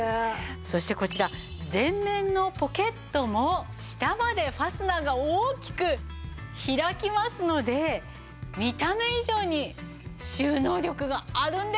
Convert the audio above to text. そしてこちら前面のポケットも下までファスナーが大きく開きますので見た目以上に収納力があるんです。